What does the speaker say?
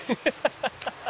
ハハハハ！